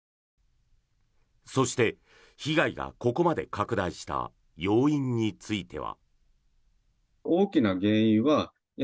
そして、被害がここまで拡大した要因については。